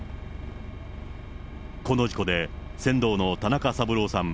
この事故で、船頭の田中三郎さん